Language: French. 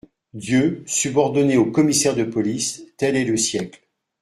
Dieu subordonné au commissaire de police ; tel est le siècle.